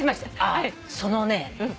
そのね